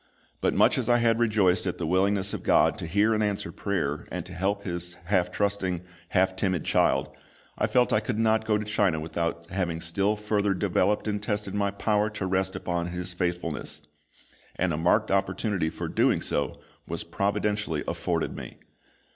But much as I had rejoiced at the willingness of GOD to hear and answer prayer and to help His half trusting, half timid child, I felt that I could not go to China without having still further developed and tested my power to rest upon His faithfulness; and a marked opportunity for doing so was providentially afforded me.